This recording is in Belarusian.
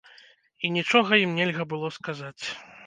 І нічога ім нельга было сказаць.